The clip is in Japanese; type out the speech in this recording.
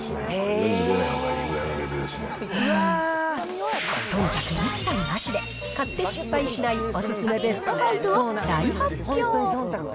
世に出ないほうがいいくらいのレそんたく一切なしで、買って失敗しないお勧めベスト５を大発表。